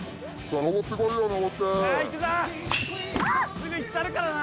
すぐいったるからな！